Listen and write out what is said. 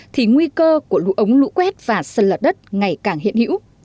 thì nguy cơ của lũ ống lũ quét và sạt lợ đất ngày càng hiện hữu